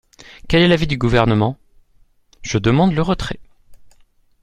Quel est l’avis du Gouvernement ? Je demande le retrait.